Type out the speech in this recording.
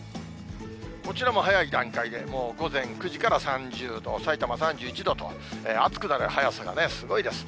こちらも早い段階で、もう午前９時から３０度、さいたま３１度と、暑くなる早さがすごいです。